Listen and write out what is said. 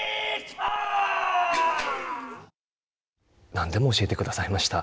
何でも教えてくださいました。